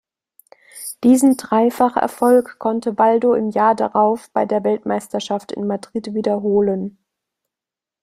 Diesen Dreifacherfolg konnte Waldo im Jahr darauf bei der Weltmeisterschaft in Madrid wiederholen.